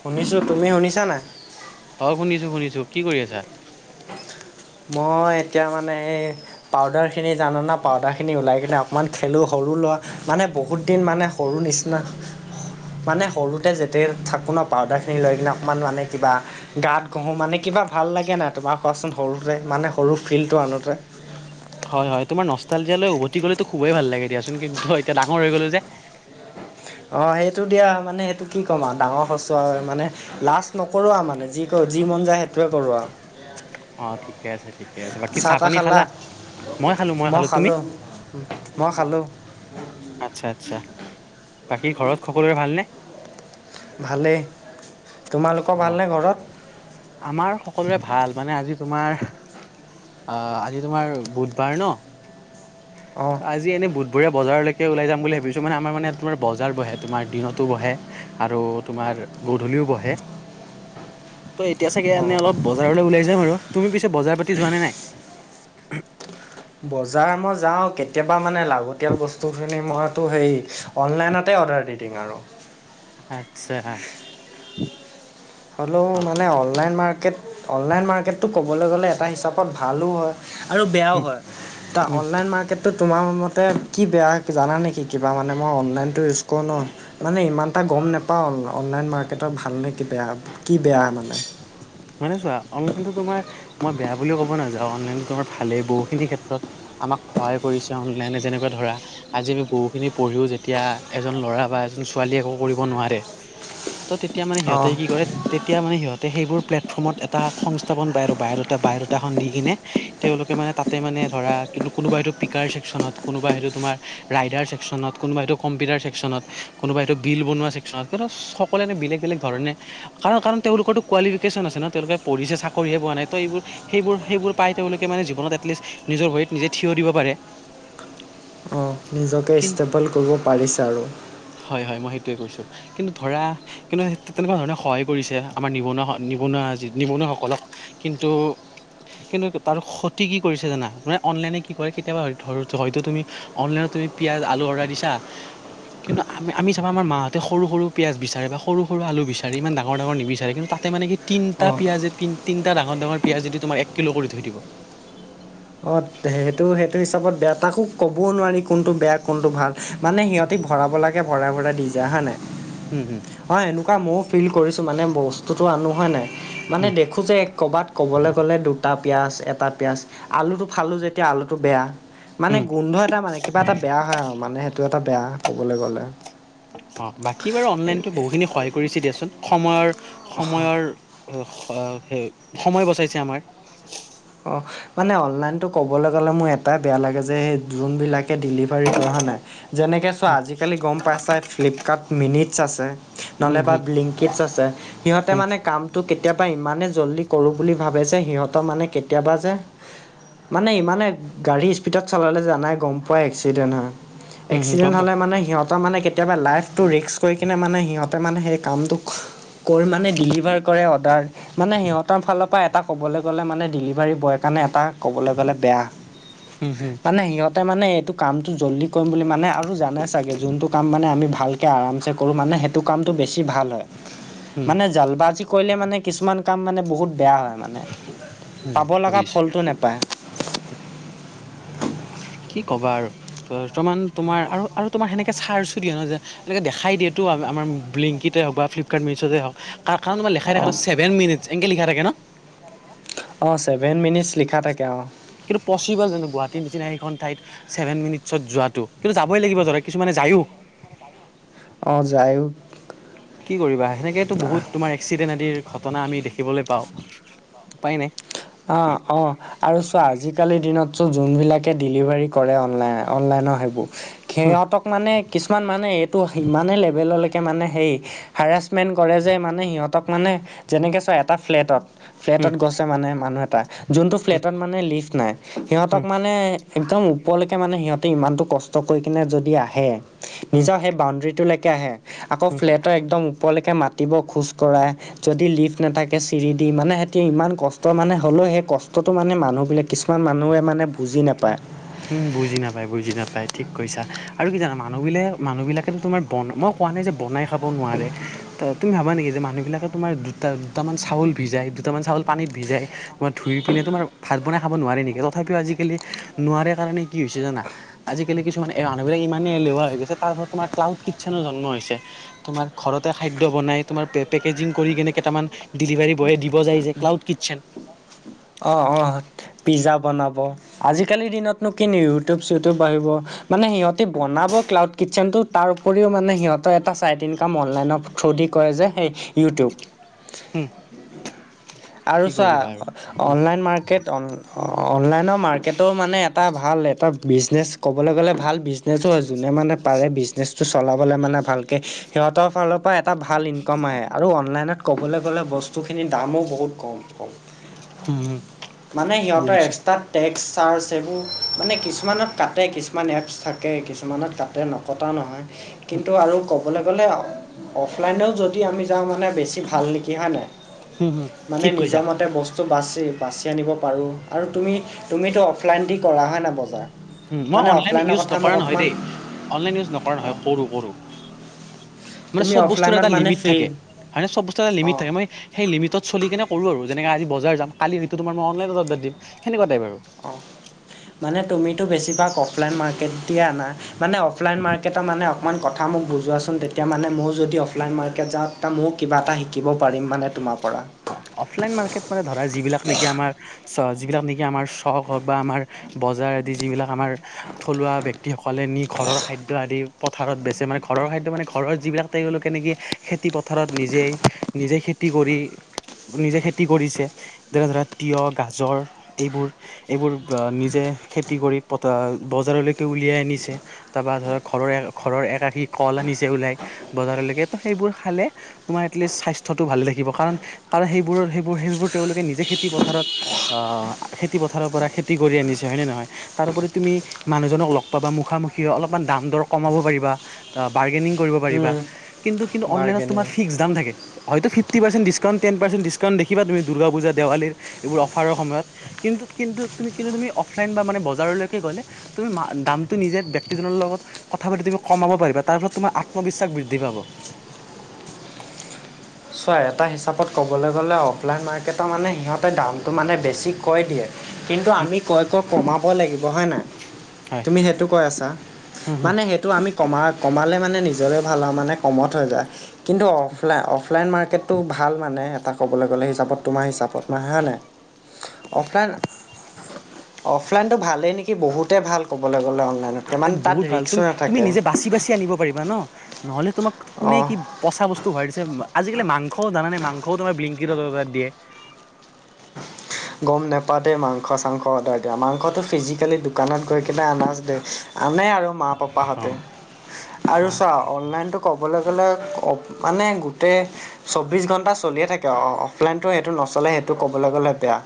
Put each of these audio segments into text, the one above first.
শুনিছো, তুমি শুনিছা নাই? অ', শুনিছো শুনিছো, কি কৰি আছা? মই এতিয়া মানে, এই পাউদাৰখিনি জাননা পাউদাৰ খিনি ওলাই কিনে অকণমান খেলোঁ সৰু লোৱা, মানে বহুত দিন মানে সৰু নিচিনা মানে সৰুতে যেতে থাকো ন পাউদাৰ খিনি লৈ কিনে অকমান মানে কিবা- গাত ঘহোঁ মানে কিবা ভাল লাগে নাই তোমাৰ কচোন সৰুতে মানে সৰু ফিল্ডটো আনোতে। হয়ঁ হূয় তোমাৰ নষ্টালজিয়ালৈ উভতি গলেতো খুবেই ভাল লাগে দিয়াচোন কিন্তু এতিয়া ডাঙৰ হৈ গ'লো যে। অঁ সেইটো দিয়া মানে সেইটো কি ক'ম আৰু ডাঙৰ সচ আৰু মানে- লাষ্ট নকৰোঁ আও মানে যি কৰ যি মন যায় সেইটোৱে কৰোঁ আও। অঁ ঠিকে আছে ঠিকে আছে বাকী চাহ পানী খালা মই খালো মই খালো তুমি? মই খালোঁ। আচ্ছা আচ্ছা বাকী ঘৰত সকলোৰে ভালনে? ভালে। অঁ! আমাৰ সকলোৰে ভাল মানে আজি তোমাৰ আ আজি তোমাৰ বুধবাৰ ন। অঁ! আজি এনে বুধবীয়া বাৰলৈকেওলাই যাম বুলি ভাবিছো মানে আমাৰ মানেয়াত তোাৰ বজাৰ বে তমাৰ দিনতো বহে। আৰু তোমাৰ গধূলিও বহে। তই এতিয়া চাগে অঁ এনে অলপ বজাৰলৈ ওলাই যাম আৰু তুমি পিছে বজাৰ পাতি যোৱা নে নাই? বজাৰ মই যাওঁ কেত- কেতিয়াবা মানে লাগতিয়াল বস্তুখিনি মইতো সেই অনলাইনতে অৰ্ডাৰ দি দিম আৰু। আচ্ছাহা। হ'লেও মানে অনলাইন মাৰ্কেট অনলাইন মাৰ্কেটটো ক'বলৈ গ'লে এটা হিচাপত ভালো হয়। আৰু বেয়াও উম হয়ঁ ত উম অনলাইন মাৰ্কেট- তো তোমাৰ মতে কি বেয়া জানা নেকি কিবা মানে মই অনলাইনটো ইউজ কৰোঁ ন। মানে ইমান এটা গম নোপাওঁ অনলাইন মাৰ্কেটৰ ভালনে কি বেয়া কি বেয়া মানে। মানে চোৱা অনলাইনতো তোমাৰ মই বেয়া বুলিও ক'ব নাযাওঁ অনলাইনতো তোমাৰ ভালেই বহুখিনি ক্ষেত্ৰত। আমাক সহায় কৰিছে অনলাইনে যেনেকুৱা ধৰা- আজি আমি বহুখিনি পঢ়িও যেতিয়া এজন ল'ৰা বা এজন ছোৱালী একো কৰিব নোৱাৰে। তো তেতিয়া মানে সিহঁতে অঁ কি কৰে তেতিয়া মানে সিহঁতে সেইবোৰ- প্লেটফৰ্মত এটা সংস্থাপন পায় আৰু বায়েৰটে বায়েৰটে এখন দি কিনে তেওঁলোকে মানে তাতে মানে ধৰা কিন্তু! কোনোবা সটোক ছেকচনত কোনোবাইটো তোমাৰ- ৰাইডাৰ চেকছনত কোনোবা এইটো কম্পিউটাৰ চেকছনত কোনোবাই এইটো গিল বনোৱা চেকছনত সকলোৱে বেলেগ বেলেগ ধৰণে কাৰণ কাৰণ তেওঁলোকোতো কোৱালিটি লোকেচন আছে ন তেওঁলোকে পঢ়িছে চাকৰিয়ে পোৱা নাই ত এইবোৰ- সেইবোৰ সেইবোৰ পাই তেওঁলোকে মানে জীৱনত এটলিষ্ট নিজৰ ভৰিত নিজে থিয় দিব পাৰে। অঁ নিজকে ইষ্টেবল কৰিব পাৰিছে আৰু। হয়ঁ হয়ঁ মই সেইটোৱে কৈছোঁ কিন্তু ধৰা কিন্তু তেনেকুৱা ধৰণে সহায় কৰিছে আমাৰ নিবনুৱা- নিবনুৱা যি নিবনুৱা সকলক কিন্তু! কিন্তু তাৰ ক্ষতি কি কৰিছে জানা মানে অনলাইনে কি কৰে কেতিয়াবা ধৰ হয়টো তুমি- অনলাইনত তুমি পিঁয়াজ আলু অৰ্ডাৰ দিছ। - কিন্তু আমি আমি চাবা আমাৰ মাহঁতে সৰু সৰু পিয়াজ বিচাৰে বা সৰু সৰু আলু বিচাৰে ইমান ডাঙৰ ডাঙৰ নিবিচাৰে কিন্তু তাত- তাতে মানে কি তিনটা অঁ পিয়াঁজে তিন তিনটা ডাঙৰ ডাঙৰ পিয়াজেদি তোমাৰ এক কিলো কৰি থৈ দিব। অঁ ধে সেইটো সেইটো হিচাপত বেয়া তাকো ক'বও নোৱাৰি কোনটো বেয়া কোনটো ভাল। মানে সিহঁতে ভৰাব লাগে ভৰাই ভৰাই দি যায় হয় নাই। হুম হুম। হয় এনেকুৱা মোক- ফিল কৰিছোঁ মানে বস্তুটো আনো হোৱা নাই উম মানে দেখোঁ যে ক'ৰবাত ক'বলৈ গ'লে দুটা- পিয়াজ এটা পিয়াজ আলুটো ফালোঁ যেতিয়া আলুটো বেয়া। মানে উম গোন্ধ এটা মানে কিবা এটা বেয়া হয় আৰু মানে সেইটো এটা বেয়া কবলৈ গ'লে। অ', বাকী বাৰু অনলাইনটো বহু কৰিছে দিয়াচোন সময়ৰ সময়ৰ অ, সময় বচাইছে আমাৰ। অ', মানে অনলাইনটো ক'বলৈ গ'লে মোৰ এটাই বেয়া লাগে যে সেই যোনবিলাক ডেলিভাৰী কৰে হয় নাই। যেনেকে চোৱা আজিকালি গম পাইছাই ফ্লিপকাৰ্ড মিনিটছ আছে। উম নহলে বা হম বিলিংকিচ আছে। সিহঁতে হম মানে কামটো কেতিয়াবা ইমানেই জল্দি কৰোঁ বুলি ভাবে যে সিহঁতৰ মানে কেতিয়াবা যে মানে ইমানে গাড়ী স্পীডত চলালে জানাই গম পোৱাই এক্সিডেণ্ট হয়। হম হম এক্সিডেণ্ট গম পাওঁ হলে মানে সিহঁত সিহঁতৰ মানে কেতিয়াবা লাইফটো ৰিক্স কৰি কেনে মেনে সিহঁতে মানে হে কামটোক কৰ মানে বিলিয়োগ ডেলিভাৰ কৰে অৰ্ডাৰ মানে সিহঁতৰ ফালৰ পৰা এটা ক'বলৈ গ'লে মানে ডেলিভাৰী বয়ৰ কাৰণে এটা ক'বলৈ গ'লে বেয়া হম হম মানে সিহঁত তাৰ মানে এইটো কামটো জল্দি কৰিম বুলি মানে আৰু জানে চাগে যোনটো কাম মানে আমি ভালকৈ আৰামছে কৰোঁ মানে সেইত টো কামটো বেছি ভাল হয়। হম মানে জাল বাজি কৰিলে মানে কিছুমান কাম মানে বহুত বেয়া হয়। মানে [unintelligible] পাব লগা বুজিছো ফলটো নেপায়। কি ক'বা আৰু বৰ্তমান তোমাৰ আৰু-আৰু তোমাৰ সেনেকে চাৰ্চো দিয়ে ন যে এনে দেখাই দিয়েটো আমাৰ ব্লিংকিতে হওঁক বা ফ্লিপকাৰ্ড মিছোতে হওঁক। কাৰ্তখানত মানে লেখাই থাকে। অ'। ন ছেভন মিনিটছ এনকে লিখা থাকে ন। অ', চেভেন মিনিটছ লিখা থাকে। অ, কিন্তু, পচিবল জানোঁ গুৱাহাটীৰ নিচিনা সেইখন ঠাইত। ছেভেন মিনিটছত যোৱাটো কিন্তু যাবই লাগিব ধৰা কিছুমানে যায়ও। অ', যায়ও। কি কৰিবা সেনেকেটো বহুত তোমাৰ এক্সিডেণ্ট আদিৰ ঘটনা আমি দেখিবলৈ পাওঁ উপায় নাই। অ', অ, আৰু চোৱা আজিকালিৰ দিনত চব যোনবিলাকে ডেলিভাৰী কৰে। অনলাইন অনলাইনৰ সেইবোৰ হুম সিহঁতক মানে কিছুমান মানে এইটো ইমানেই লেভেললৈকে মানে সেই হাৰাছমেণ্ট কৰে। যে মানে সিহঁতক মানে যেনেকৈ চব এটা ফ্লেটত হুম ফ্লেটত গৈছে মানে মানুহ এটা যোনটো ফ্লেটত মানে লিফ্ট নাই। সিহঁতক হুম মানে একদম ওপৰলৈকে মানে সিহঁত ইমানতটো কষ্ট কৰি কেনে যদি আহে হুম নিজৰ সেই বাউণ্ডাৰীটোলৈকে আহে আকৌ হুম ফ্লেটৰ একদম ওপৰলৈকে মাত দিব খোজ কঢ়া যদি লিফ্ট নাথাকে। চিৰিদি মানে সিহতি ইমান কষ্ট টো মানে হ'লেও সেই কষ্টটো মানে মানুহবিলাক কিছুমান মানুহে মানে বুজি নাপায়। উম', বুজি নাপায়। বুজি নাপায়। ঠিক কৈছা। আৰু কি জানা মানুহ গিলায় মানুহ বিলাকেটো তোমাৰ বনব কোৱা নাই যে বনাই খাব নোৱাৰে। ত, তুমি ভাবা নেকি যে মানুহবিলাকে তোমাৰ দুটা দুটামান চাউল ভিজাই দুটামান চাউল পানীত ভিজাই তোমাৰ ধুই পিনে তোমাৰ ভাত বনাই খাব নোৱাৰে নেকি? তথাপিও আজিকালি নোৱাৰে কাৰণে কি হৈছে জানা? আজিকালি কিছুমান এই মানুহবিলাক ইমানেই এলেহুৱা হৈ গৈছে। তাৰপৰা তোমাৰ ক্লাউড কিটচেনো জন্ম হৈছে। তোমাৰ ঘৰতে খাদ্য বনাই তোমাৰ পে পেকেজিং কৰি কেনে কেটামান ডেলিভাৰী বয়ে দিব যায় যে। Cloud kitchen. অ', অ, পিজ্জা বনাব আজিকালিৰ দিনত কিন ইউটিউব চউটিউব আহিব মানে সিহঁতি বনাব ক্লাউড কিটচেনটো তাৰ উপৰিও মানে সিহঁতৰ এটা চাৰিদিন কাম অনলাইনৰ থ্ৰু দি কয় যে সেই ইউটিউব। হম আৰু কি চোৱা কৰিবা আৰু। অনলাইন মাৰ্কেট অনলাইনৰ মাৰ্কেটৰ মানে এটা ভাল এটা বিজনেছ ক'বলৈ গ'লে ভাল বিজনেছো আৰু যোনে মানে পাৰে বিজনেছ চ চলাবলৈ মানে ভালকৈ সিহঁতৰ ফালৰ পৰা এটা ভাল ইনকাম আহে, আৰু অনলাইনত ক'বলৈ গ'লে বস্তুখিনিৰ দামো বহুত কম কম। উম হম মানে সিহঁতৰ বুজিছো এক্সট্ৰা টেক্স চাৰ্জ সেইবোৰ মানে কিছুমানত কাটে কিছুমান এপছ থাকে কিছুমানত কাটে ন কটা নহয়। কিন্তু আৰু ক'বলৈ গ'লে অফলাইনেও যদি আমি যাওঁ মানে বেছি ভাল নেকি হয় নাই। হম হম মানে ঠিক কৈছা নিজৰ মতে ব স্তু বাছি বাছি আনিব পাৰোঁ। আৰু তুমি তুমিটো অফলাইন দি কৰা হয় নহয় বজাৰ। উম মই মানে অনলাইন অফলাইনৰ ইউজ কথা মোক নকৰা নহয় অকণমান দেই। অনলাইন ইউজ নকৰা অঁ নহয় কৰোঁ কৰোঁ। মানে‌ তুমি চব বস্তুৰ অফলাইনত এটা মানে লিমিট ফ্ৰী থাকে হয় নে, চব বস্তু এটা লিমিট অঁ থাকে, মই সেই লিমিটত চলি কিনে কৰোঁ আৰু যেনেকে আজি বজাৰ যাম কালিটো হয়তো মই অনলাইন অৰ্ডাৰ দিম সেনেকুৱা টাইপ আৰু। অঁ মানে তুমিতো বেছিভাগ অফলাইন মাৰ্কেট দিয়ে আনা। মানে অফলাইন মাৰ্কেটৰ মানে অকণমান কথা মোক বুজোৱাচোন, তেতিয়া মানে মোৰ যদি অফলাইন মাৰ্কেট যাওঁ মইয়ো কিবা এটা শিকিব পাৰিম মানে তোমাৰ পৰা। অ', অফলাইন মাৰ্কেট মানে ধৰা যিবিলাক নেকি আমাৰ চ যিবিলাক নেকি আমাৰ চখ হওক বা আমাৰ, বজাৰ আদি যিবিলাক আমাৰ থলুৱা ব্যক্তিসকলে নি ঘৰৰ খাদ্য আদি। পথাৰত বেচে মানে ঘৰৰ খাদ্য মানে ঘৰৰ যিবিলাক তেওঁলোকে নেকি খেতি পথাৰত নিজেই নিজে খেতি কৰি নিজে খেতি কৰিছে। যেনে ধৰা তিয়ঁহ, গাজৰ এইবোৰ। এইবোৰ নিজে খেতি কৰি পতা বজাৰলৈকে উলিয়াই আনিছে। তাৰপৰা ধৰক ঘৰৰ ঘৰৰ এক আশী কল আনিছে ওলাই। বজাৰলৈকে ত সেইবোৰ খালে তোমাৰ এটলিষ্ট স্বাস্থ্য টো ভালে থাকিব, কাৰণ কাৰণ সেইবোৰত সেইবোৰ সেইবোৰ তেওঁলোকে নিজে খেতি পথাৰত অ', খেতি পথাৰৰ পৰা খেতি কৰি আনিছে হয় নে নহয়। তাৰোপৰি তুমি মানুহজনক লগ পাবা মুখামুখি অলপমান দাম দৰ কমাব পাৰিবা। বাৰ্গেনিং কৰিব পাৰিবা, উম, কিন্তু কিন্তু অনলাইনত বাৰ্গেনিং তোমাৰ ফিক্স দাম থাকে। হয়তো fifty percent discount ten percent discount দেখিবা তুমি দুৰ্গা পূজা দেৱালীৰ এইবোৰ অফাৰৰ সময়ত। কিন্তু কিন্তু কিন্তু তুমি অফলাইন বা মানে বজাৰলৈকে গ'লে, তুমি মা দামটো নিজে ব্যক্তিজনৰ লগত কথা পাতি তুমি কমাব পাৰিবা, তাৰ ফলত তোমাৰ আত্মবিশ্বাস বৃদ্ধি পাব। চোৱা এটা হিচাপত ক'বলৈ গ'লে অফলাইন মাৰ্কেটৰ মানে সিহঁতে দামটো মানে বেছি কৈ দিয়ে। কিন্তু হুম, আমি কৈ কৈ কমাব লাগিব হয় নাই। হয় তুমি সেইটো কৈ আছা হুম হুম মানে সেই টো আমি কমা-কমালে মানে নিজৰে ভাল আৰু কমত হৈ যায়। কিন্তু অফলাইন মাৰ্কেট টো ভাল মানে এটা ক'বলৈ গ'লে হিচাপত তোমাৰ হিচাপত না হয় নাই। অফলাইন অফলাইনটো ভালেই নেকি বহুতে ভাল ক'বলৈ গ'লে অনলাইনত কে। এ বহুত ভাল তুমি তুমি নিজে বাচি বাচি আনিব পাৰিবা ন নহলে তোমাক কোনে অঁ কি পচা বস্তু ভৰাই দিছে আজিকালি মাংস জানানে মাংসও তোমাৰ ব্লিংকিত অৰ্দাৰ দিয়ে। গম নাপাওঁ দেই মাংস চাংস অৰ্ডাৰ দিয়া মাংসটো ফিজিকেলি দোকানত গৈ কিনে আনাজ দে আনে আৰু। মা পাপা অ হঁতে আৰু অ চা অনলাইনটো কবলৈ গলে, মানে গোটেই চৌবিশ ঘণ্টা চলিয়ে থাকে অ, অফলাইনতো সেইটো নচলে সেইটো কবলৈ গলে বেয়া।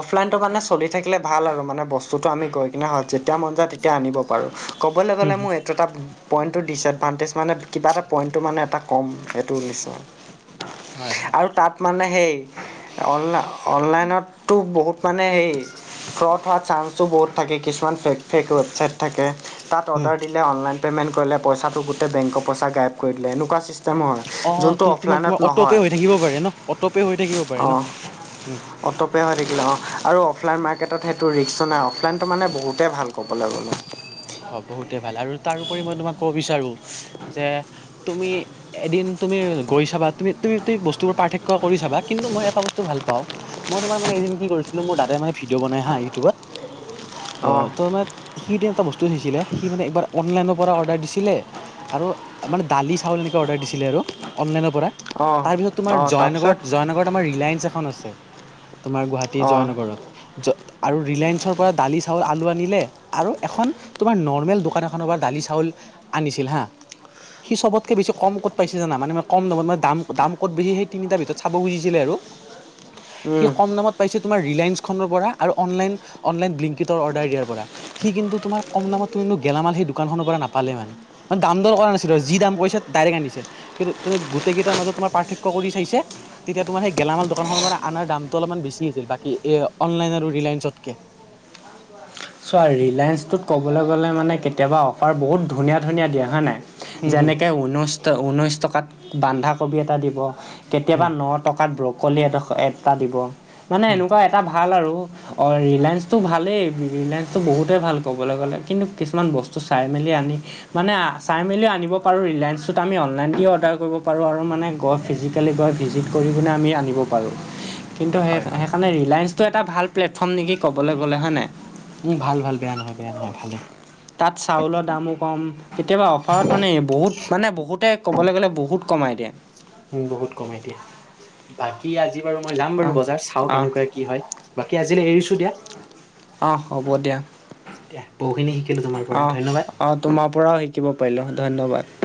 অফলাইনটো মানে চলি থাকিলে ভাল আৰু মানে বস্তু যিটো আমি গৈ পিনে হয় যেতিয়া মন যায় তেতিয়া আনিব পাৰোঁ, কবলৈ হুম গলে হুম, মোৰ এইটো এটা পইণ্টটোৰ দিছে ভানটেজ মানে কিবা এটা পইণ্টটো মানে এটা কম, সেইটোৰ নিচিনা হয় হয় আৰু তাত মানে সেই অনলা অনলাইনত টো বহুত মানে হেই ফ্ৰড হোৱাৰ চান্সটো বহুত থাকে। কিছুমান ফেক ফেক ৱেবচাইট থাকে, তাত উম অৰ্ডাৰ দিলে অনলাইন পেমেন্ট কৰিলে পইচাটো গোটেই বেংকৰ পইচা গায়েপ কৰি দিলে, এনেকুৱা চিচটেম অ টো তোমাৰ তোমাৰ অটোপে হৈ থাকিব পাৰে নহ, অটোপে হৈ থাকিব পাৰে নহ অটোপে হৈ থাকিলে অ আৰু অফলাইন মাৰ্কেটত সেইটো ৰিক্সো নাই অ প্লেনটো মানে বহুতেই ভাল কবলৈ গলে হব এতিয়া ভালে আৰু তাৰপৰি মই তোমাক কব বিচাৰো, যে তুমি এদিন তুমি গৈ চাবা তুমি তুমি বস্তুবোৰ পাৰ্থক্য কৰি চাবা, কিন্তু মই এটা বস্তু ভাল পাওঁ মই তোমাৰ মানে এদিন কি কৰিছিলো, মোৰ দাদাই মানে ভিডিঅ বনাই হাহ ইউটিউবত অ অঁ তহ মানে সি এটা বস্তু দিছিলে সি মানে একবাৰ অনলাইনৰ পৰা অৰ্ডাৰ দিছিলে আৰু মানে দালি, চাউল এনেকে অৰ্ডাৰ দিছিলে আৰু অনলাইনৰ পৰা অঁ তাৰপিছত তোমাৰ অঁ তাৰপিছত জয়ানগৰত জয়ানগৰত আমাৰ ৰিলায়েন্স এখন আছে তোমাৰ গুৱাহাটী অঁ জয়ানগৰত আৰু ৰিলায়েন্সৰ পৰা দালি, চাউল, আলু আনিলে, আৰু এখন তোমাৰ নৰ্মেল দোকান এখনৰ পৰা দালি, চাউল আনিছিল হা সি চবতকে বেছি কম কত পাইছে জানা, মানে কম দামত মানে দাম কত বেছি সেই তিনিটাৰ ভিতৰত চাব খুজিছিলে আৰু সি উম কম দামত পাইছে তোমাৰ ৰিলায়েন্ঞ্চ খনৰ পৰা, আৰু অনলাইন অনলাইন গ্লিংকিটৰ অৰ্ডাৰ দিয়াৰ পৰা, সি কিন্তু তোমাৰ কম দামত কিন্তু গেলামাল সেই দোকানখনৰ পৰা নাপালে মানে মানে দাম দৰ কৰা নাছিলো, যি দাম কৰিছে ডাইৰেক্ট আনিছে। কিন্তু তুমি গোটেই কেইটাৰ মাজত তোমাৰ পাৰ্থক্য কৰি চাইছে। তেতিয়া তোমাৰ সেই গেলামাল দোকানখনৰ মানে আনাৰ দামটো অলমান বেছি আছিল, বাকী এহ অনলাইন আৰু ৰিলায়েন্ঞ্চতকে চোৱা ৰিলায়েন্সটোত কবলৈ গলে মানে কেতিয়াবা অফাৰ বহুত ধুনীয়া ধুনীয়া দিয়ে হয় নাই হুম হুম যেনেকে ঊনৈশ ঊনৈশ টকাত বান্ধাকবি এটা দিব। কেতিয়াবা হুম নহ টকাত ব্ৰকলি এটা এটা দিব, মানে হুম এনেকুৱা এটা ভাল আৰু অ ৰিলায়েন্সটো ভালেই ৰিলায়েন্ঞ্চটো বহুতেই ভাল কবলৈ গলে, কিন্তু কিছুমান বস্তু চাই মেলি আনি মানে চাই মেলিও আনিব পাৰোঁ, ৰিলেঞ্চটোত আমি অনলাইন দিও অৰ্ডাৰ কৰিব পাৰোঁ আৰু মানে গছ ফিজিকেলি গৈ ভিজিট কৰিও কিনে আমি আনিব পাৰোঁ। কিন্তু সেই সেইকাৰণে ৰিলায়েন্ঞ্চটো এটা ভাল প্লেটফৰ্ম নেকি কবলৈ গলে হয়নে উম ভাল ভাল বেয়া নহয় বেয়া নহয় ভালে তাত চাউলৰ দামো কম, কেতিয়াবা অফাৰত মানে বহুত মানে বহুতে কবলৈ গলে বহুত কমাই দিয়ে। উম বহুত কমাই দিয়ে। বাকী আজি বাৰু মই যাম অঁ বাৰু বজাৰ চাওঁ অঁ কেনেকুৱা কি হয়, বাকী আজিলৈ এৰিছো দিয়া। অহ হ হব দিয়া দিয়া, বহুখিনি শিকিলো তোমাৰ পৰা অঁ ধন্যবাদ। অঁ তোমাৰ পৰাও শিকিব পাৰিলোঁ, ধন্যবাদ।